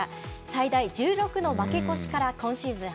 最大１６の負け越しから、今シーズン